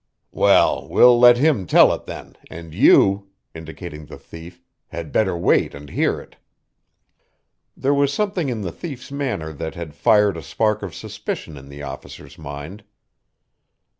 "Well, we'll let him tell it then, and you" indicating the thief "had better wait and hear it." There was something in the thief's manner that had fired a spark of suspicion in the officer's mind.